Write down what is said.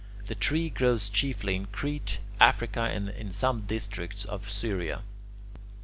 The tree grows chiefly in Crete, Africa, and in some districts of Syria. 14.